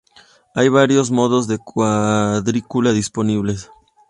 Hay varios modos de cuadrícula disponibles.